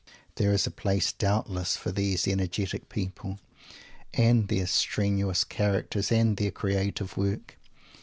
There is a place doubtless for these energetic people, and their strenuous characters, and their "creative work."